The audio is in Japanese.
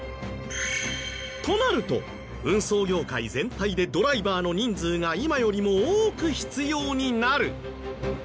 となると運送業界全体でドライバーの人数が今よりも多く必要になる。